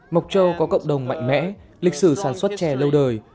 mộc châu có cộng đồng mạnh mẽ lịch sử sản xuất chè lâu đời